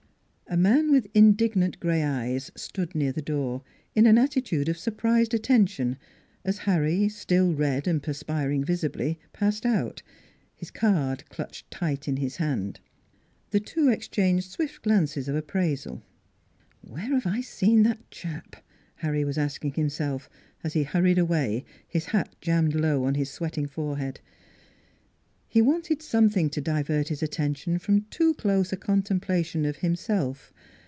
A man with indignant gray eyes stood near the door, in an attitude of surprised attention, as Harry, still red and perspiring visibly, passed out, his card clutched tight in his hand. The two ex changed swift glances of appraisal. "Where have I seen that chap?" Harry was asking himself, as he hurried away, his hat jammed low on his sweating forehead. He wanted something to divert his attention from too close a contemplation of himself.